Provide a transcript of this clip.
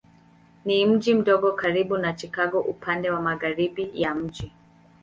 Ni mji mdogo karibu na Chicago upande wa magharibi ya mji.